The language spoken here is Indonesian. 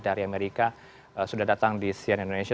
dari amerika sudah datang di sian indonesia